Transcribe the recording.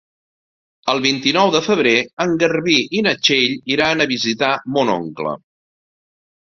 El vint-i-nou de febrer en Garbí i na Txell iran a visitar mon oncle.